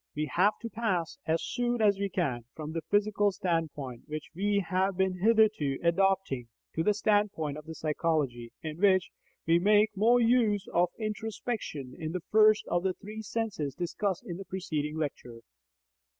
We have to pass, as soon as we can, from the physical standpoint, which we have been hitherto adopting, to the standpoint of psychology, in which we make more use of introspection in the first of the three senses discussed in the preceding lecture.